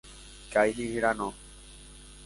Kai Hirano